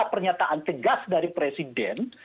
pernyataan cegas dari presiden